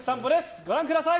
ご覧ください。